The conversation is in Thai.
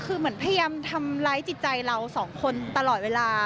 คือเหมือนพยายามทำร้ายจิตใจเราสองคนตลอดเวลา